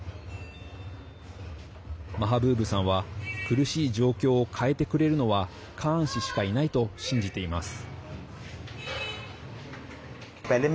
マハブーブさんは苦しい状況を変えてくれるのはカーン氏しかいないと信じています。